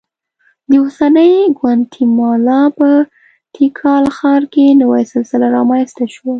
د اوسنۍ ګواتیمالا په تیکال ښار کې نوې سلسله رامنځته شوه